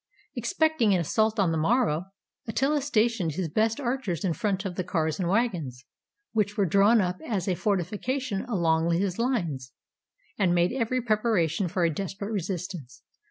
Expecting an assault on the morrow, Attila stationed his best archers in front of the cars and wagons, which were drawn up as a fortification along his lines, and made every preparation for a desperate resistance.